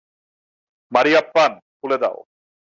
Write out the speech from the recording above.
মারিয়াপ্পান, খুলে দাও!